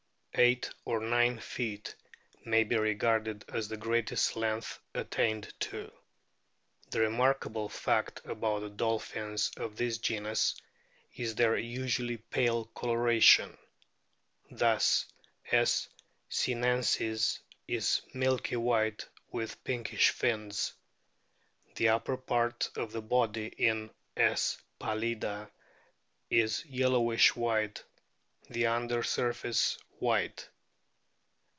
Eight or nine feet may be regarded as the greatest length attained to. The remarkable fact about the dolphins of this genus is their usually pale coloration. Thus S. sinensis is milky white with pinkish fins. The upper part of the body in S. pallida is yellowish white, the under surface white.